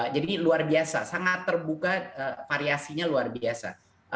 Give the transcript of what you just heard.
jadi luar biasa sangat terbuka variasinya luar biasa